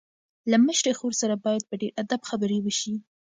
له مشرې خور سره باید په ډېر ادب خبرې وشي.